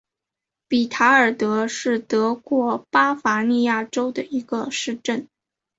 比塔尔德是德国巴伐利亚州的一个市镇。